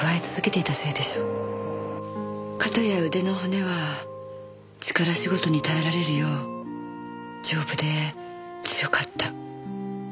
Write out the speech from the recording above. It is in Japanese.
肩や腕の骨は力仕事に耐えられるよう丈夫で強かった。